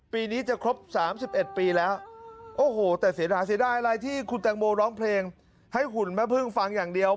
ปีนี้จะครบ๓๑ปีแล้วโอ้โหแต่เสียดายเสียดายอะไรที่คุณแตงโมร้องเพลงให้หุ่นแม่พึ่งฟังอย่างเดียว